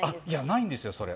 ないんですよ、それ。